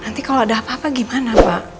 nanti kalau ada apa apa gimana pak